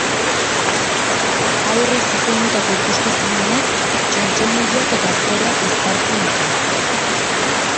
Haurrei zuzendutako ikuskizun honek txotxongiloak eta aktoreak uztartzen ditu.